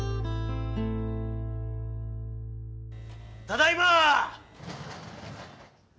ただいま！